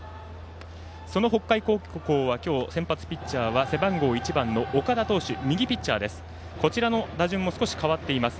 その北海高校は今日の先発ピッチャーは背番号１番の岡田、右投手です。